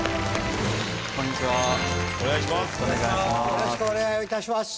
よろしくお願いします。